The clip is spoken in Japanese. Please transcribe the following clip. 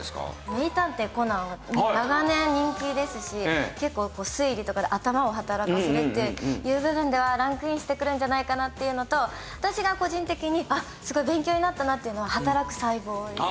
『名探偵コナン』は長年人気ですし結構推理とかで頭を働かせるっていう部分ではランクインしてくるんじゃないかなっていうのと私が個人的にすごい勉強になったなっていうのは『はたらく細胞』です。